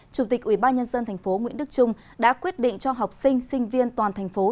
chủ tịch ubnd tp nguyễn đức trung đã quyết định cho học sinh sinh viên toàn thành phố